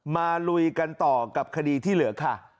ลุยกันต่อกับคดีที่เหลือค่ะ